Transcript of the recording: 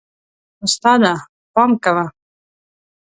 استاده، پام کوه.